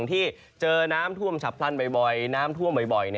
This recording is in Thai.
ที่เจอน้ำท่วมฉับพลันบ่อยน้ำท่วมบ่อย